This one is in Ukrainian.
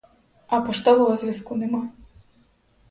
А поштового зв'язку нема.